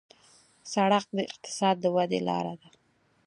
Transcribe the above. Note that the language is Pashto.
سړک د اقتصاد د ودې لاره ده.